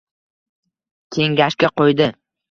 Kengashga qo’ydi: